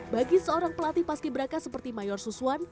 bagi seorang pelatih paski beraka seperti mayor suswan